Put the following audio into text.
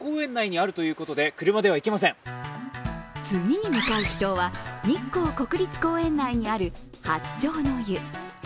次に向かう秘湯は日光国立公園内にある八丁の湯。